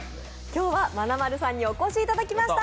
今日はまなまるさんにお越しいただきました！